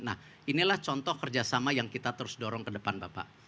nah inilah contoh kerjasama yang kita terus dorong ke depan bapak